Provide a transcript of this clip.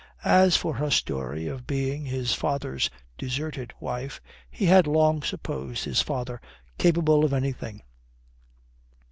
As for her story of being his father's deserted wife, he had long supposed his father capable of anything.